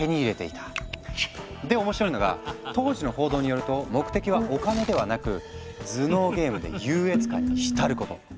で面白いのが当時の報道によると目的はお金ではなく「頭脳ゲームで優越感に浸ること」。